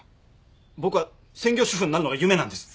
僕は専業主夫になるのが夢なんです。